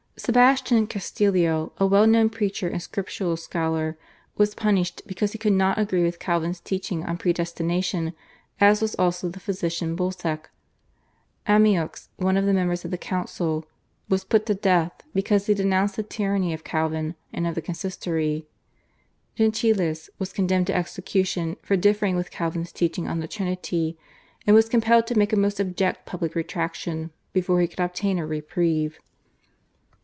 Sebastian Castellio, a well known preacher and Scriptural scholar, was punished because he could not agree with Calvin's teaching on predestination, as was also the physician Bolsec; Ameaux one of the members of the Council was put to death because he denounced the tyranny of Calvin and of the Consistory; Gentilis was condemned to execution for differing with Calvin's teaching on the Trinity, and was compelled to make a most abject public retraction before he could obtain a reprieve.